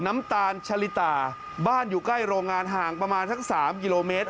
น้ำตาลชะลิตาบ้านอยู่ใกล้โรงงานห่างประมาณสัก๓กิโลเมตร